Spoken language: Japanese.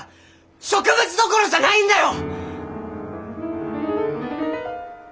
植物どころじゃないんだよ！